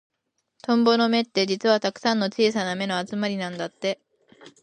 トンボの目って、実はたくさんの小さな目の集まりなんだって。